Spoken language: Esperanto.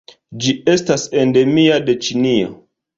Ĝi estas endemia de Ĉinio.